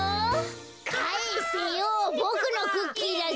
かえせよボクのクッキーだぞ。